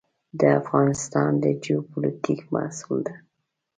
د افغانستان د جیوپولیټیک محصول ده.